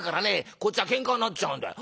こっちはケンカになっちゃうんだよ。